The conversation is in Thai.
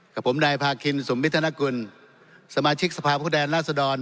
กับผมในภาคคินสมมิตรธนกลสมาชิกสภาพพวกแดนรัศดร